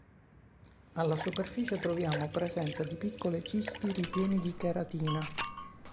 Alla superficie troviamo presenza di piccole cisti ripiene di cheratina.